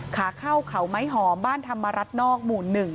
ขาเข้าเขาไม้หอมบ้านธรรมรัฐนอกหมู่๑